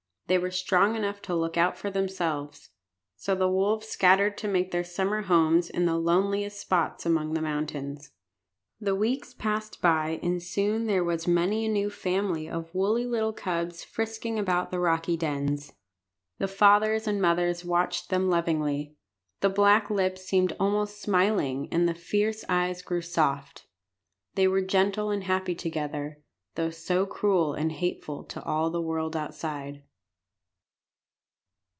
They were strong enough to look out for themselves. So the wolves scattered to make their summer homes in the loneliest spots among the mountains. The weeks passed by, and soon there was many a new family of woolly little cubs frisking about the rocky dens. The fathers and mothers watched them lovingly. The black lips seemed almost smiling and the fierce eyes grew soft. They were gentle and happy there together, though so cruel and hateful to all the world outside.